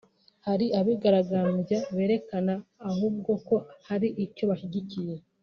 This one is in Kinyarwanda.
hari abigaragambya berekana ahubwo ko hari icyo bashyigikiye